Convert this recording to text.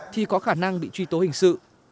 thì có khả năng bị truy tố hình sự